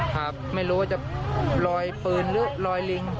ครับไม่รู้ว่าจะลอยปืนหรือรอยลิง